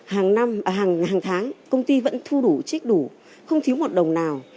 hàng tháng công ty vẫn thu đủ trích đủ không thiếu một đồng nào